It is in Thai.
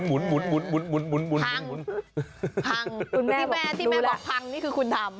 คุณแม่บอกพังคุณทำแล้วเห็นไหมล่ะ